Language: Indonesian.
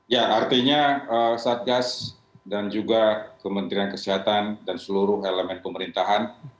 ya artinya satgas dan juga kementerian kesehatan dan seluruh elemen pemerintahan